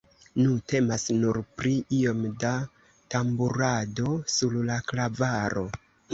Nu, temas nur pri iom da tamburado sur la klavaro.